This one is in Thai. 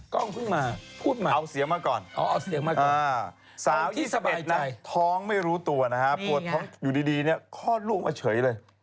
กล้องขึ้นมาเอาเสียงมาก่อนสาว๒๑นะท้องไม่รู้ตัวนะฮะปวดท้องอยู่ดีเนี่ยคลอดรูปมาเฉยเลย